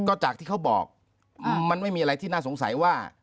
ก็จากที่เขาบอกมันไม่มีอะไรที่น่าสงสัยว่า